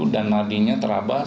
dan nadinya terabah